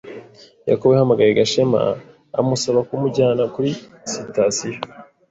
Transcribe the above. Yakobo yahamagaye Gashema amusaba kumujyana kuri sitasiyo.